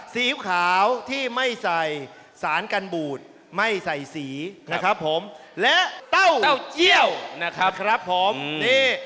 ซีอิ๊วขาวที่ไม่ใส่สารกันบูดไม่ใส่สีนะครับผมและเต้าเยี่ยวนะครับผมนี่